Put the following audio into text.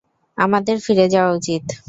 আমাদের ফিরে যাওয়া উচিৎ।